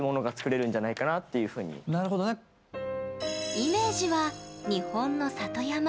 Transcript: イメージは、日本の里山。